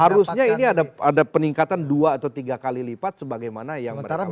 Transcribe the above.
harusnya ini ada peningkatan dua atau tiga kali lipat sebagaimana yang mereka lakukan